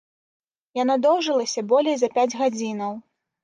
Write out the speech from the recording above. Яна доўжылася болей за пяць гадзінаў.